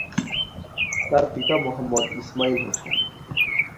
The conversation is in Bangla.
তার পিতা মোহাম্মদ ইসমাইল হোসেন।